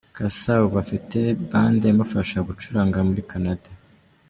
Cassa ubu afite band imufasha gucuranga muri Canada.